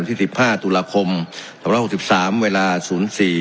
วันที่สิบห้าธุรคมถวัดห้าหกสิบสามเวลาศูนย์สี่